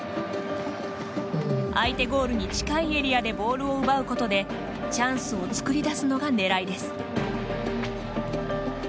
相手ゴールに近いエリアでボールを奪うことでチャンスを作り出すのがねらいです。